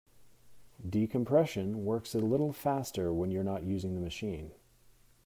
Decompression works a little faster when you're not using the machine.